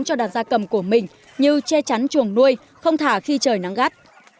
cho đàn gia cầm của mình như che chắn chuồng nuôi không thả khi trời nắng gắt